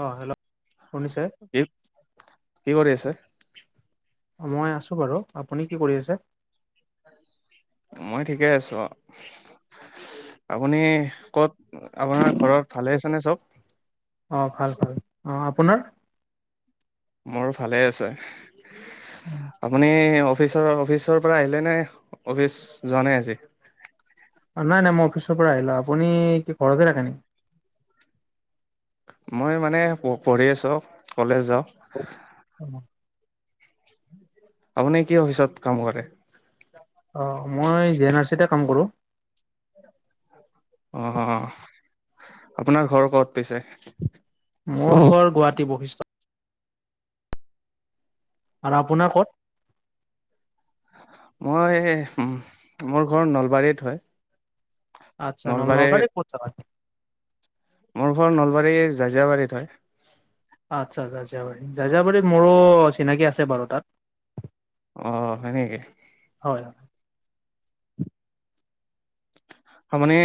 অ hello শুনিছে [inaudible] কি কৰি আছে অঁ মই আছো বাৰু আপুনি কি কৰি আছে মই ঠিকে আছো আৰু আপুনি কত আপোনাৰ ঘৰৰ ভালে আছে নে চব অঁ ভাল ভাল অঁ আপোনাৰ মোৰ ভালে আছে আপুনি অফিচ [inaudible] অফিচৰ পৰা আহিলে নে অফিচ যোৱা নাই আজি নাই নাই মই অফিচৰ পৰা আহিলো আপুনি কি ঘৰতে থাকে নেকি মই মানে প-পঢ়ি আছো কলেজ যাও [inaudible] আপুনি কি অফিচত কাম কৰে অ মই জি এন আৰ চিতে কাম কৰোঁ অ আপোনাৰ ঘৰ কত পিছে মোৰ ঘৰ গুৱাহাটী বৈশিষ্ট আৰু আপোনাৰ ক'ত মই এ উম মোৰ ঘৰ নলবাৰীত হয় আচ্ছা নল নলবাৰীৰ কত থাকা মোৰ ঘৰ নলবাৰীৰ জাজিয়াবাৰীত হয় আচ্ছা জাজিয়াবাৰী জাজিয়াবাৰীত মোৰো চিনাকি আছে বাৰু তাত অ হয় নেকি হয় হয়। আপুনি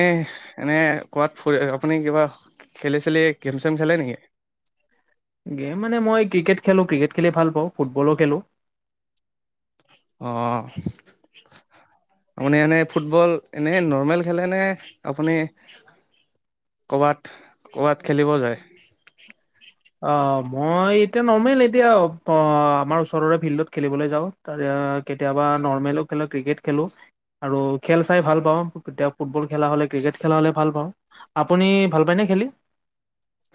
এনে কোৱাত ফুৰি আপুনি কিবা খেলি চেলি গেম চেম খলে নেকি গেম মানে মই ক্ৰিকেট খেলো ক্ৰিকেট খেলি ভাল পাওঁ ফুটবলো খেলো অ আপুনি এনেই ফুটবল এনেই নৰ্মেল খেলে নে আপুনি কৰবাত কৰবাত খেলিবও যায় অ মই এতিয়া নৰ্মেল এতিয়া অ আমাৰ ওচৰৰে ফিল্ডত খেলিবলৈ যাওঁ ত কেতিয়াবা নৰ্মেলো খেলোঁ ক্ৰিকেট খেলোঁ আৰু খেল চাই ভাল পাওঁতি ফুটবল খেলা হ'লে ্ৰিক খেলা হলে ভাল পাওঁ আপুনি ভাল পায়নে খেলি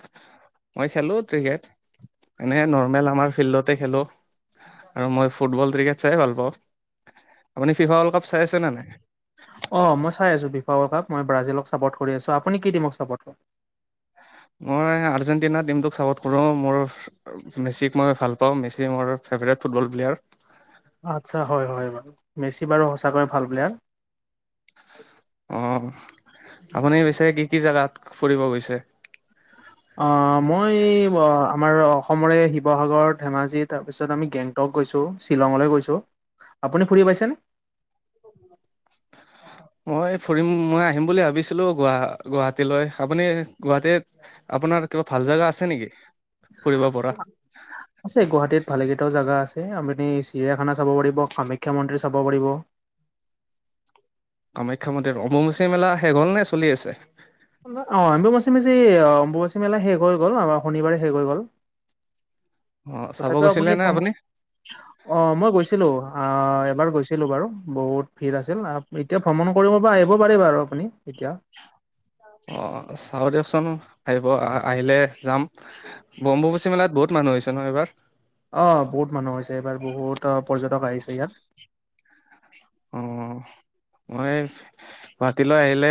[inaudible] মই খেলো ক্ৰিকেট এনেে নৰ্মেল আমাৰ ফিল্ডতে খেলো আৰু মই ফুটবল ক্ৰিকেট চাই ভাল পাওঁ আপুনি ফিফা ৱৰ্লড কাপ চাই আছে নে নাই অ' মই চাই আছো ফিফা ৱৰ্ল্ড কাপ মই ব্ৰাজিলক ছাপৰ্ট কৰি আছোঁ আপুনি কি দিমক ছাপৰ্ট কৰে মই আৰ্জেণ্টিনা টিমটোক চাপৰ্ট কৰো মোৰ মেচিক মই ভাল পাওঁ মে মোৰ ফেভট ফুটবল প্লেয়াৰ আচ্ছা হয়-হয় বাৰু মেচি বাৰু সঁচাকৈ ভাল প্লেয়াৰ। অ' আপুনি পিছে কি-কি জেগাত ফুৰিব গৈছে। অ' মই ৱ আমাৰ অসমৰে শিৱসাগৰ, ধেমাজি তাৰপিছত আমি গেংটক গৈছোঁ শ্বিলঙলৈও গৈছোঁ। আপুনি ফুৰি পাইছেনে। [inaudible] মই ফুৰিম মই আহিম বুলি ভাবিছিলো গোৱা গুৱাহাটীলৈ আপুনি গুৱাহাটী আপোনাৰ কিবা ভাল জাগা আছে নেকি ফুৰিব পৰা। ভালকেইটাও জেগা আছে আপুনি চিৰিয়াখানা চাব পাৰিব কামাখ্যা মন্দিৰ চাব পাৰিব। কামাখ্যা মন্দিৰ অম্বুবাচী মেলা শেষ হ'ল নে চলি আছে। অ' অম্বুবাচিমীচি অম্বুমাচী মেলা শেষ হৈ গ'ল আমাৰ শনিবাৰে শেষ হৈ গ'ল। অ' চাব তথাপিও গৈছিলে নে ভ্ৰমণ আপুনি। অ মই গৈছিলো আহ এবাৰ গৈছিলো বাৰু বহুত ভিৰ আছিল এতিয়া ভ্ৰমণ কৰিব পৰা আহিব পাৰি বাৰু আপুনি এতিয়া। [inaudible] অ' চাও দিয়কচোন আহিব আহ আহিলে যাম অম্বুবাচি মেলাত বহুত মানুহ হৈছে ন এইবাৰ। অ' বহুত মানুহ হৈছে এইবাৰ বহুত পৰ্যটক আহিছে ইয়াত। অ' মই গুৱাহাটীলৈ আহিলে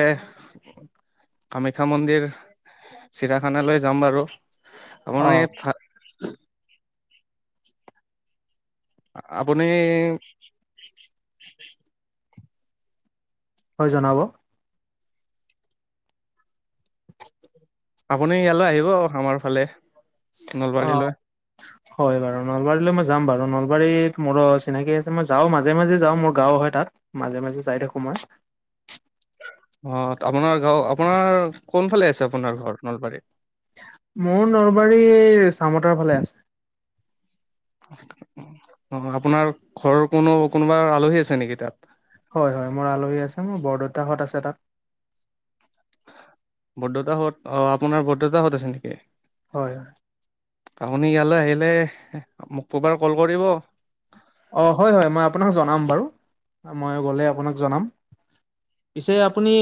কামাখ্যা মন্দিৰ চিৰাখানালৈ যাম বাৰু। আমাৰ অ মানে ইয়াত আপুনি হয় জনাব। আপুনি ইয়ালৈ আহিব আমাৰ ফালে অ নলবাৰীলৈ। হয় বাৰু নলবাৰীলৈ মই যাম বাৰু নলবাৰীত মোৰো চিনাকি আছে মই যাও মাজে- মাজে যাও মোৰ গাঁও হয় তাত। মাজে- মাজে যাই থাকো মই। অ' আপোনাৰ গাঁও আপোনাৰ কোনফালে আছে আপোনাৰ ঘৰ নলবাৰীত। মোৰ নলবাৰীৰ চামতাৰ ফালে আছে। অ' আপোনাৰ ঘৰৰ কোনো কোনোবা আলহী আছে নেকি তাত। হয়- হয় মোৰ আলহী আছে মোৰ বৰদেউতাহত আছে তাত। বৰদেউতাহঁত অ আপোনাৰ বৰদেউতাহঁত আছে নেকি। হয়। আপুনি ইয়ালৈ আহিলে মোক কবাৰ কল কৰিব। অ' হয়-হয় মই আপোনাক জনাম বাৰু, মই গ'লে আপোনাক জনাম। পিছে আপুনি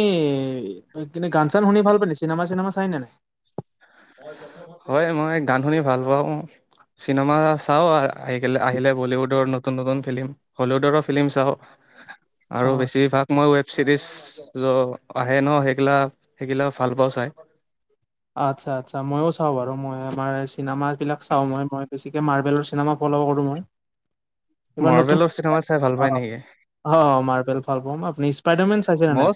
কিনে গান চান শুনি ভাল পায়নে চিনেমা চিনেমা চাইনে নাই। হয় মই গান শুনি ভাল পাওঁ। চিনেমা চাও আহি আহিলে বলীউডৰ নতুন- নতুন ফিল্ম হলিউডৰো ফিল্ম চাও। আৰু হয়। বেছিভাগ মই ৱেব চিৰিজ য আহে ন সেইগিলা-সেইগিলা ভাল পাওঁ চাই। আচ্ছা-আচ্ছা মইও চাওঁ বাৰু মই আমাৰ এই চিনেমা গিলাক চাওঁ মই- মই গতিকে মাৰ্বেলৰ চিনেমা ফল' কৰোঁ মই। এইবাৰ নতুন মাৰ্বেলৰ চিনেমা চাই ভাল অ পাই নেকি। অ' মাৰ্বেল ভাল পাও, আপুনি স্পাইডাৰমেন চাইছেনে নাই। মই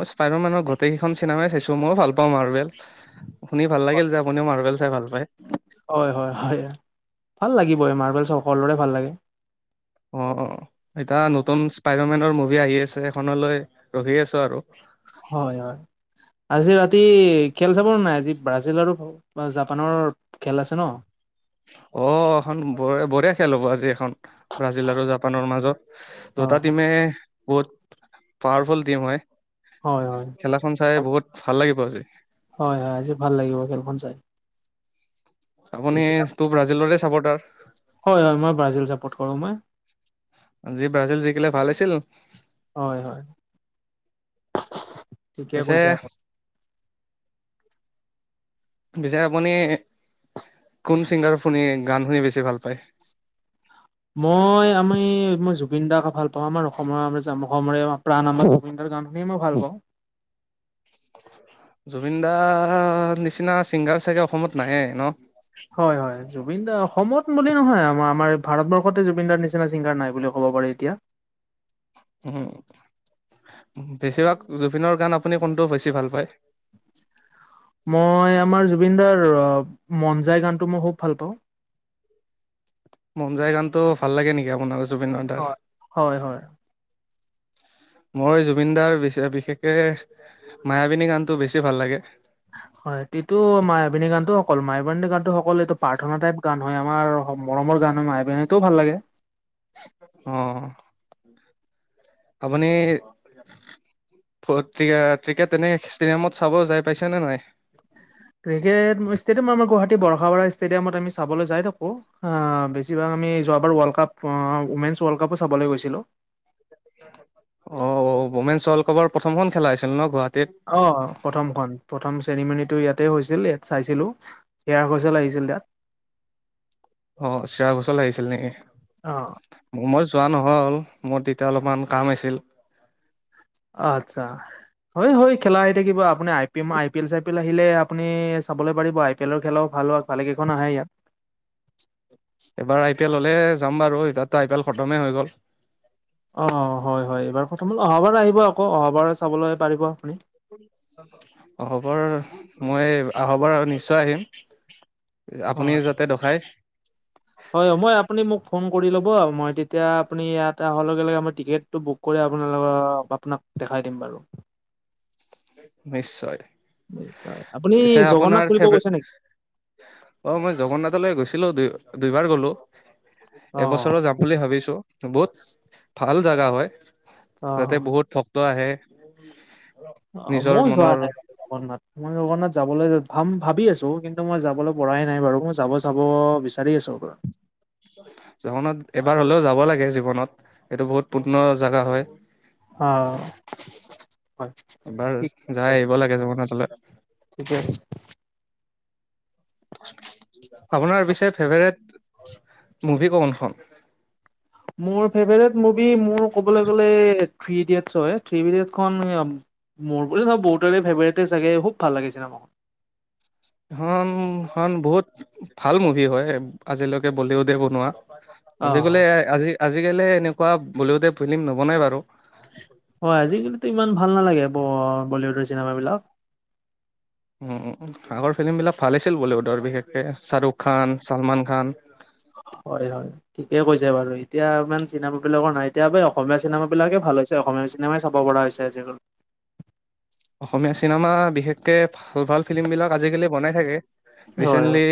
মই স্পাইদাৰ মেনৰ গোটেইকেইখন চিনেমাই চাইছো মইও ভাল পাওঁ মাৰ্বেল শুনি ভাল লাগিল যে আপুনিও মাৰ্বেল চাই ভাল পায়। হয় হয়-হয় ভাল লাগিব এই মাৰ্বেল চ' সকলোৰে ভাল লাগে। অ'-অ' এতিয়া নতুন স্পাইদাৰমেনৰ মুভি আহি আছে। সেইখনলৈ ৰখি আছো আৰু। হয়- হয়। আজি ৰাতি খেল চাব নাই আজি ব্ৰাজিল আৰু জাপানৰ খেল আছে ন। উ অ এখন ব বঢ়িয় খেল হ'ব আজি এখন ব্ৰাজিল আৰু জাপানৰ মাজত দুটা হয় টিমে বহুত পাৱাৰফুল টিম হয় হয় খেলাখন চাই বহুত ভাল লাগিব আজি হয় হয় আজি ভাল লাগিব খেলখন চাই আপুনি তোৰ ব্ৰাজিলৰে চাব তাৰ হয় হয় মই ব্ৰাজিল চাপৰ্ট কৰো মই যি ব্ৰাজিল জিকিলে ভাল আছিল হয় হয় ঠিকে পিছে কৈছে পিছে আপুনি কোন চিংগাৰ শুনি গান শুনি বেছি ভাল পায় ম মই জুবিন দাৰ ভাল পাওঁ আমাৰ অসমৰ অসমৰে প্ৰাণ আমাৰ জুবিন দাৰ গান শুন মই ভাল পাওঁ ঘঘ জুবিন দা নিচিনা চিংগাৰ চাগে অসমত নাইে ন হয় হয় জুবিন দাৰ অসমত বুলি নহয় আমাৰ আমাৰ ভাৰতবৰ্ষতে জুবিন দাৰ নিচিনা ছিংগাৰ নাই বুলি ক'ব পাৰি এতিয়া উম বেছিভাগ জুবিনৰ গান আপুনি কোনটো বেছি ভাল পায় মই আমাৰ জুবিন দাৰ মন যায় গানটো মই খুব ভাল পাওঁ মন যায় গানটো ভাল লাগে নেকি আপোনাৰ জুবিনৰ দাৰ? হয় হয় হয় মই জুবিন দাৰ বিশেষকে মায়াবিনী গানতটো বেছি ভাল লাগে হয় ো মায় অভিনী গান টো অকল মায় গানতটো সকল এইটো প্ৰাৰ্থনা টাইপ গান হয় আমাৰ মৰমৰ গান হয় মটোও ভাল লাগে উম আপুনি ্ৰ ত্ৰিকেট তেনেক ষ্টেডিয়ামত চাব যাই পাইছে নে নাই ক্ৰিকেট ষ্টেডিয়াম আমাৰ গুৱাহাটী বৰ্ষ বাৰা ষ্টেডিয়ামত আমি চাবলৈ যাই থাকো বেছিভাগ আমি যোৱাবাৰ ৱৰ্ল্ড কাপ উমেন ৱৰ্ল্ড কাপো চাবলৈ গৈছিলো অ অ বোমেন চল কবাৰ প্ৰথমখন খেলা হৈছিল ন গুৱাহাটী অ প্ৰথমখন প্ৰথম চেৰিমনীটো ইয়াতে হৈছিল ইয়াত চাইছিলোঁ শেয়াৰ হচেল আহিছিল তাত অ চিৰা গছল আহাগিছিল নেকি অ মই যোৱা নহয় হ'ল মোৰ তেতিয়া অলপমান কাম আছিল আচ্ছা হয় হয় খেলা আহি থাকিব আপুনিই পি আই পি এল চ পি এল আহিলে আপুনি চাবলৈ পাৰিব আই পি এলৰ খেলাও ভাল হওক ভালে কেইখন আহে ইয়াত এবাৰ আই পি এল হলে যাম বাৰু এবাৰতো আই পি এল খদমে হৈ গ'ল অ হয় হয় এইবাৰ প্ৰথম অহাবাৰ আহিব আকৌ অহাবাৰ চাবলৈ পাৰিব আপুনি অবৰ মই আহবাৰ নিশ্চয় আহিম হয় আপুনিও যাতে দখাই। হয় মই আপনি মোক। ফোন কৰি ল'ব, মই তেতিয়া আপুনি ইয়াত অহাৰ লগে লগে মই টিকেটটো বুক কৰি আপোনালোকৰ আপোনাক। দেখাই দিম বাৰু। নিশ্চয় নিশ্চয় আপুনি পিছে জগন্নাথ আপোনাৰ ফুৰিব ফেভৰ। গৈছে নেকি অ মই জগন্নাথলৈ গৈছিলো দুই। দুইবাৰ গলো অ এবছৰৰ যাম বুলি ভাবিছো বহুত। ভাল জোগা হয়, অ তাতে বহুত ভক্ত আহে। অ নিজৰ মইো যোৱা মনৰ নাই জগন্নাথ মই জগন্নাথ যাবলৈ। ভাম ভাবি আছোঁ কিন্তু মই যাবলৈ পৰাই নাই, বাৰু মই যাব চাব বিচাৰি আছোঁ। জগন্নাথ এবাৰ হলেও যাব লাগে, জীৱনত এইটো বহুত পূৰ্ণ জাগা হয়। অ হয় এবাৰ ঠিক যাই আছে আহিব লাগে জীৱনত হ'লে। ঠিকে আছে। আপোনাৰ পিছে ফেভাৰেট মুভি কোনখন? মোৰ ফেভৰেট মুভি মোৰ ক'বলৈ গ'লে থ্ৰী ইডিয়েটছ হয়, থ্ৰী ইডিয়েটছখন। মোৰ বুলি নহয় বহুত ফেভৰেটে চাগে, খুব ভাল লাগে চিনেমাখন। এখন খন বহুত ভাল মুভি হয় আজিলৈকে বলিউডে বনোৱা, আজিকালি অ' আজি। আজিকালি এনেকুৱা বলিউডে ফিল্ম নবনায় বাৰু। হয়, আজিকালিতো ইমান ভাল নালাগে ব বলীউডৰ চিনেমাবিলাক। আগৰ ফিল্মবিলাক ভাল আছিল বলীউডৰ, বিশেষকৈ শ্বাৰুক খান, চালমান খান। অ'। হয়, হয় ঠিকে কৈছে বাৰু, এতিয়া ইমান চিনেমা বিলাকৰ নাই। এতিয়া পে অসমীয়া চিনেমা বিলাকে ভাল হৈছে অসমীয়া। অসমীয়া চিনেমাই চাব পৰা হৈছে আজিকালি। অসমীয়া চিনেমা বিশেষকে ভাল-ভাল ফিল্ম বিলাক আজিকালি বনাই থাকে। হয় হয়। ৰিচেন্টলি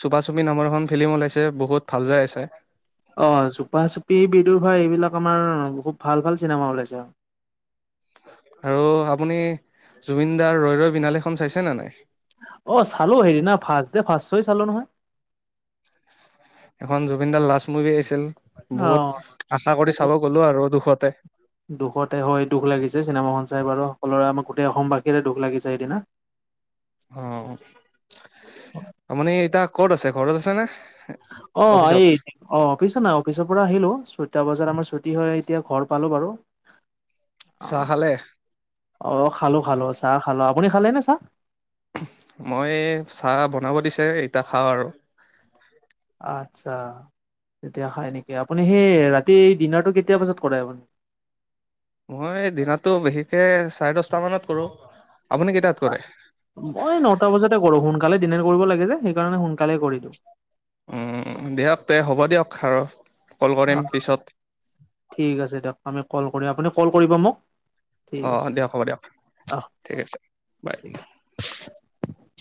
চুপা চুপি নামৰ এখন ফিল্ম ওলাইছে, বহুত ভাল যাই আছে। অ' চুপা চুপি, বিদুৰ ভাই এইবিলাক আমাৰ খুৱ ভাল ভাল চিনেমা ওলাইছে। আৰু আপুনি জুবিনদাৰ ৰৈ ৰৈ বিনালেখন চাইছে নে নাই? অ' চালো হেদিনা ফাৰ্ষ্ট দে ফাৰ্ষ্ট চ' অ' চালো নহয়। এখন জুবিন দাৰ লাষ্ট মুভি আহিছিল, বহুত আশা কৰি অ' চাব গ'লো আৰু দুখতে। দুখতে হয়, দুখ লাগিছে চিনেমাখন চাই বাৰু, সকলোৰে আমাৰ গোটেই অসমবাসীৰে দুখ লাগিছে সেইদিনা। অ' আপুনি এতিয়া ক'ত আছে ঘৰত আছে নে? অফিচত? অ'এই অ' অফিচত নাই, অফিচৰ পৰা আহিলো ছয়টা বজাত। ত' আমাৰ ছুটি হয় এতিয়া ঘৰ পালো বাৰু। চাহ খালে? অ' খালো, খালো চাহ খালো, আপুনি খালে নে চাহ? মই চাহ বনাব দিছে, ইতা খাও আৰু আতছা। তেতিয়া খায় নেকি, আপুনি সেই ৰাতি ডিনাৰটো কেতিয়া বজাত কৰে আপুনি। মই দিনতটো বিশেষকে চাৰে দচটা মানত কৰো। আপুনি কেইটাত কৰে? মই নটা বজাতে কৰো সোনকালে। দিনে কৰিব লাগে যে, সেইকাৰণে সোনকালে কৰি দিও। উম, দিয়ক তে হ'ব দিয়ক আৰু। কল কৰিম অ' পিছত ঠিক আছে দিয়ক। আমি ক'ল কৰি আপুনি ক'ল কৰিব মোক। ঠিক অ আছে, দিয়ক হ'ব দিয়ক অহ ঠিক আছে বাই। ঠিক আছে।